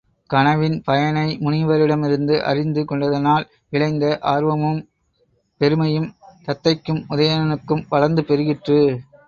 கனவின் பயனை முனிவரிடமிருந்து அறிந்து கொண்டதனால் விளைந்த ஆர்வமும் பெருமையும், தத்தைக்கும் உதயணனுக்கும் வளர்ந்து பெருகிற்று.